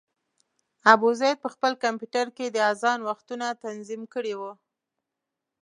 ابوزید په خپل کمپیوټر کې د اذان وختونه تنظیم کړي وو.